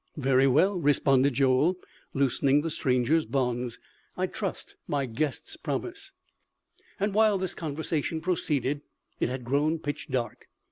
"Very well," responded Joel, loosening the stranger's bonds; "I trust my guest's promise." While this conversation proceeded it had grown pitch dark.